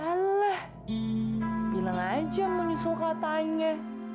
alah bilang aja mau nyusul katanya